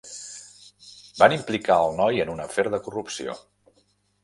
Van implicar el noi en un afer de corrupció.